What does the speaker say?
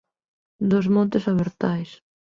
Dos montes abertais